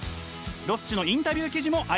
ロッチのインタビュー記事もあります。